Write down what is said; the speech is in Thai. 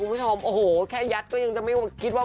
คุณผู้ชมโอ้โหแค่ยัดก็ยังจะไม่คิดว่า